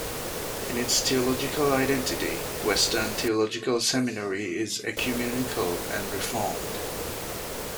In its theological identity, Western Theological Seminary is ecumenical and Reformed.